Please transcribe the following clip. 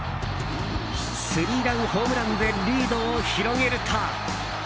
スリーランホームランでリードを広げると。